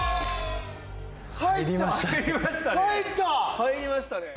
入りましたね。